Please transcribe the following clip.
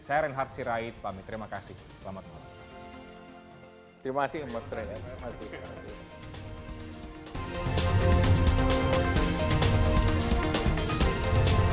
saya reinhard sirait pamit terima kasih selamat malam